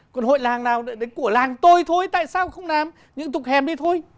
còn hội làng nào đấy của làng tôi thôi tại sao không làm những tục hèm đi thôi